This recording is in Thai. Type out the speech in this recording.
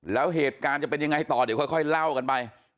แล้วเหตุการณ์จะเป็นยังไงต่อเดี๋ยวค่อยเล่ากันไป